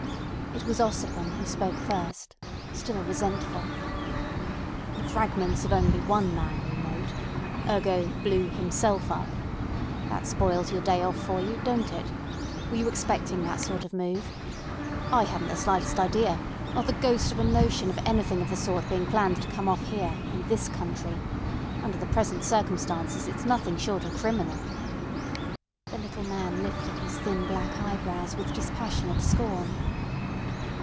It was Ossipon who spoke first—still resentful. "The fragments of only one man, you note. Ergo: blew himself up. That spoils your day off for you—don't it? Were you expecting that sort of move? I hadn't the slightest idea—not the ghost of a notion of anything of the sort being planned to come off here—in this country. Under the present circumstances it's nothing short of criminal." The little man lifted his thin black eyebrows with dispassionate scorn.